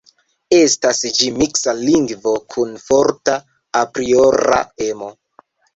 Estas ĝi miksa lingvo kun forta apriora emo.